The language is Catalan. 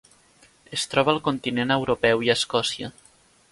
Es troba al continent europeu i Escòcia.